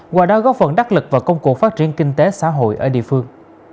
qua đó góp phần đắc lực vào công cụ phát triển kinh tế xã hội ở địa phương